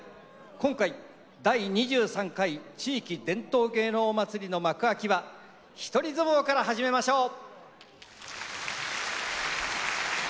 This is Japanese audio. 今回「第２３回地域伝統芸能まつり」の幕開きは一人角力から始めましょう！